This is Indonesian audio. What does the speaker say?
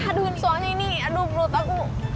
aduh soalnya ini aduh perut aku